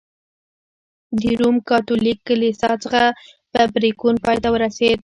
د روم کاتولیک کلیسا څخه په پرېکون پای ته ورسېد.